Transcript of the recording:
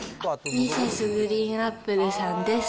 ミセス・グリーンアップルさんです。